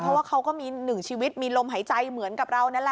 เพราะว่าเขาก็มีหนึ่งชีวิตมีลมหายใจเหมือนกับเรานั่นแหละ